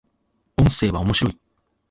音声は、面白い